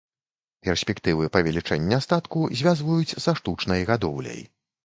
Перспектывы павелічэння статку звязваюць са штучнай гадоўляй.